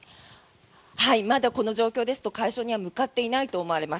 まだこの状況ですと解消には向かっていないと思われます。